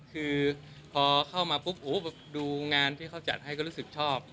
คือพอเข้ามาปุ๊บดูงานที่เขาจัดให้ก็รู้สึกชอบ